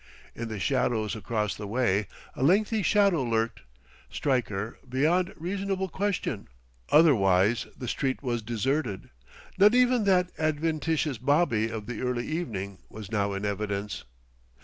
In the shadows across the way, a lengthy shadow lurked: Stryker, beyond reasonable question. Otherwise the street was deserted. Not even that adventitous bobby of the early evening was now in evidence.